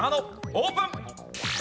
オープン。